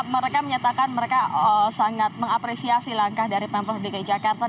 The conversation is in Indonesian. mereka menyatakan mereka sangat mengapresiasi langkah dari pemprov dki jakarta